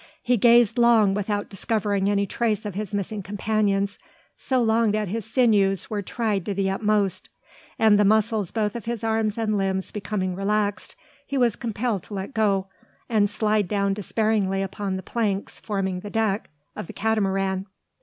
He gazed long without discovering any trace of his missing companions, so long that his sinews were tried to the utmost; and the muscles both of his arms and limbs becoming relaxed, he was compelled to let go, and slide down despairingly upon the planks forming the deck of the Catamaran.